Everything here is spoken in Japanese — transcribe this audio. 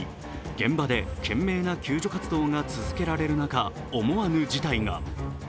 現場で懸命な救助活動が続けられる中、思わぬ事態が。